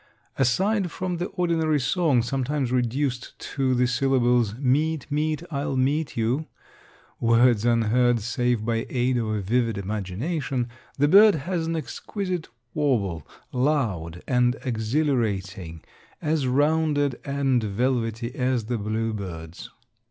Aside from the ordinary song, sometimes reduced to the syllables, "meet, meet, I'll meet you," words unheard save by aid of a vivid imagination, the bird has an exquisite warble, loud and exhilarating, as rounded and velvety as the bluebird's.